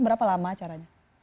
berapa lama acaranya